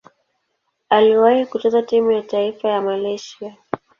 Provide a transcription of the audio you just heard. Aliwahi kucheza timu ya taifa ya Malaysia.